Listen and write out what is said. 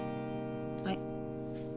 はい。